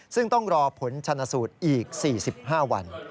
ซึ่งต้องรอผลชนสูตรอีก๔๕วัน